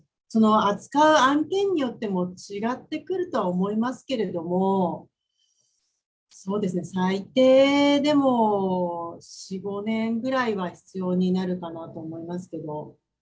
扱う案件によっても違ってくると思いますけれども、そうですね、最低でも４、５年ぐらいは必要になるかなと思いますけど。